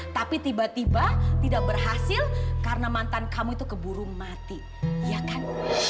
tapi tiba tiba tidak berhasil karena mantan kamu itu keburu mati ya kan